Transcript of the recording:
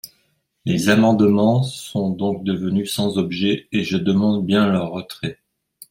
Les amendements sont donc devenus sans objet et je demande bien leur retrait.